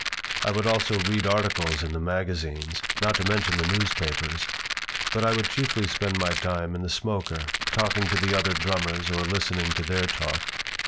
I would also read articles in the magazines, not to mention the newspapers. But I would chiefly spend my time in the smoker, talking to the other drummers or listening to their talk.